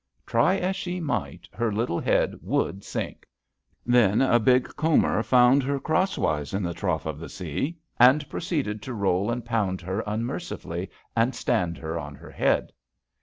Try as she might, her little head would sink. Then a big comber found her cross wise in the trough of the sea and proceeded to roll and pound her unmercifully and stand her on her head.